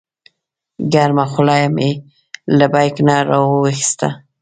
ګرمه خولۍ مې له بیک نه راوویسته.